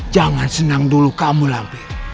jangan senang dulu kamu labe